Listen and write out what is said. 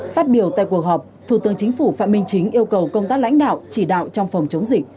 phát biểu tại cuộc họp thủ tướng chính phủ phạm minh chính yêu cầu công tác lãnh đạo chỉ đạo trong phòng chống dịch